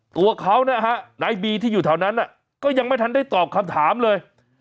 ตัวเขานะฮะนายบีที่อยู่แถวนั้นก็ยังไม่ทันได้ตอบคำถามเลย